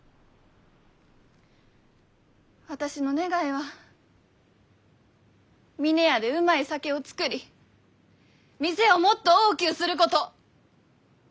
私の願いは峰屋でうまい酒を造り店をもっと大きゅうすること。